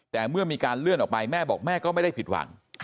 แต่เมื่อมีการเลื่อนออกไปแม่บอกแม่ก็ไม่ได้ผิดหวัง